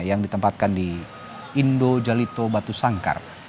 yang ditempatkan di indo jalito batu sangkar